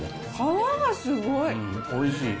おいしい。